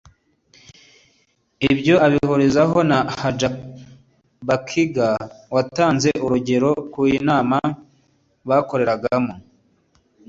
ibyo abihurizaho na Hajabakiga watanze urugero ko inama bakoreragamo irimo ameza n’intebe byuzuyemo byakorewe mu mahanga